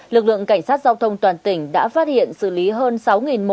lực lượng cảnh sát giao thông toàn tỉnh đã phát hiện xử lý hơn sáu vụ